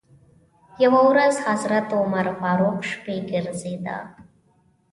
یوه ورځ حضرت عمر فاروق و شپې ګرځېده.